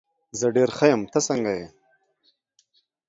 زه ډېر ښه یم، ته څنګه یې؟